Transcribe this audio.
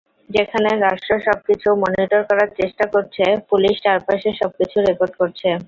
যেখানে রাষ্ট্র সবকিছু মনিটর করার চেষ্টা করছে, পুলিশ চারপাশের সবকিছু রেকর্ড করছে।